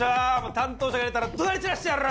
担当者が出たらどなり散らしてやる！